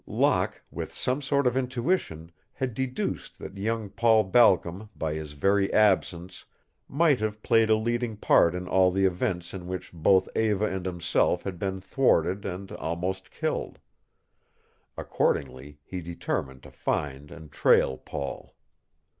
Locke, with some sort of intuition, had deduced that young Paul Balcom by his very absence might have played a leading part in all the events in which both Eva and himself had been thwarted and almost killed. Accordingly he determined to find and trail Paul.